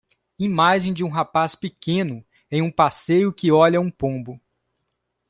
Imagem de um rapaz pequeno em um passeio que olha um pombo.